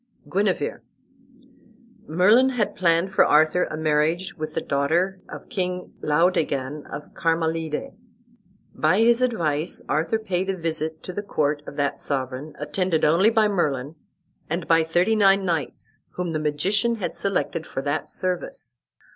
GUENEVER Merlin had planned for Arthur a marriage with the daughter of King Laodegan of Carmalide. By his advice Arthur paid a visit to the court of that sovereign, attended only by Merlin and by thirty nine knights whom the magician had selected for that service.